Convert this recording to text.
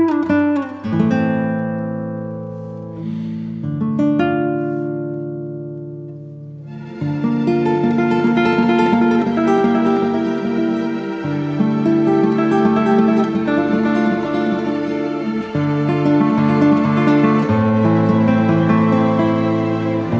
orang orangks ini sampai beristirahat istirahat